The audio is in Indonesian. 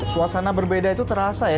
suasana berbeda itu terasa ya